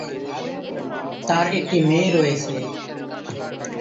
তার একটি মেয়ে রয়েছে।